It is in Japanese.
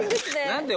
何で？